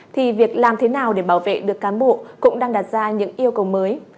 thì việc làm thế nào để bảo vệ được cán bộ cũng đang đặt ra những yêu cầu mới